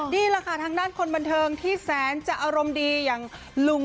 นี่แหละค่ะทางด้านคนบันเทิงที่แสนจะอารมณ์ดีอย่างลุง